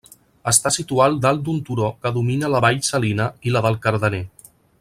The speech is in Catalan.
Està situat dalt d'un turó que domina la vall salina i la del Cardener.